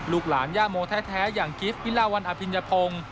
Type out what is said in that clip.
หลานย่าโมแท้อย่างกิฟต์วิลาวันอภิญพงศ์